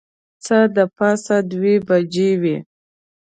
څه د پاسه دوې بجې وې.